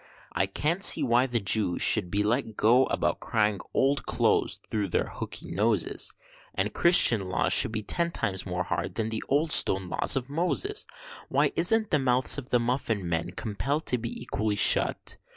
I can't see why the Jews should be let go about crying Old Close thro' their hooky noses, And Christian laws should be ten times more hard than the old stone laws of Moses. Why isn't the mouths of the muffin men compell'd to be equally shut?